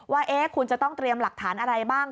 ว่าคุณจะต้องเตรียมหลักฐานอะไรบ้าง